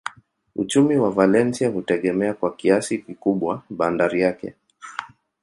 Uchumi wa Valencia hutegemea kwa kiasi kikubwa bandari yake.